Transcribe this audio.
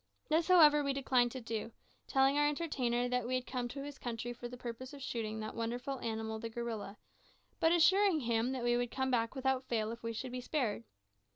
This, however, we declined to do, telling our entertainer that we had come to his country for the purpose of shooting that wonderful animal the gorilla, but assuring him that we would come back without fail if we should be spared.